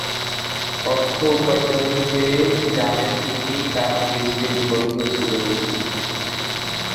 অর্থ উপার্জনের চেয়ে গানের দিকেই তার দৃষ্টি নিবদ্ধ ছিল বেশি।